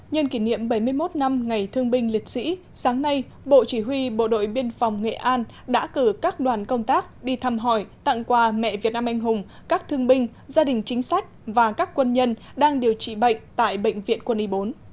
nhân kỷ niệm bảy mươi một năm ngày thương binh liệt sĩ sáng nay bộ chỉ huy bộ đội biên phòng nghệ an đã cử các đoàn công tác đi thăm hỏi tặng quà mẹ việt nam anh hùng các thương binh gia đình chính sách và các quân nhân đang điều trị bệnh tại bệnh viện quân y bốn